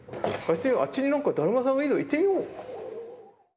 「あっちに何かだるまさんがいるよ行ってみよう」。